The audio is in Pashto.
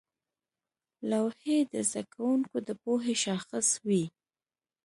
لوحې د زده کوونکو د پوهې شاخص وې.